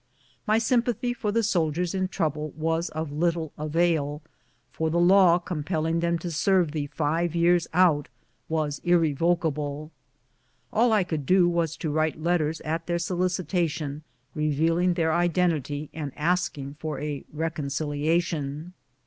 My sympathy for the soldiers in trou OUR NEW HOME AT FORT LINCOLN. 103 ble was of little avail, for the law compelling them to serve the five years out was irrevocable. All I could do was to write letters at their solicitation, revealing their identity and asking for a reconciliation.